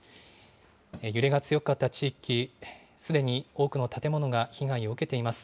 揺れが強かった地域、すでに多くの建物が被害を受けています。